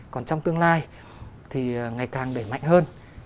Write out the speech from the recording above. còn trong tương lai thì ngày càng đẩy mạnh hơn